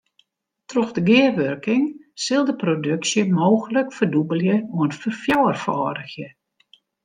Troch de gearwurking sil de produksje mooglik ferdûbelje oant ferfjouwerfâldigje.